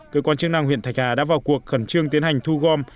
cơ quan chức năng huyện thạch hà đã vào cuộc khẩn trương tiến hành thu gom